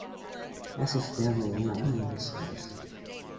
As if there were any other in his life!